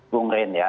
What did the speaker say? bung ren ya